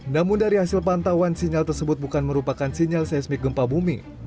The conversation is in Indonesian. namun dari hasil pantauan sinyal tersebut bukan merupakan sinyal seismik gempa bumi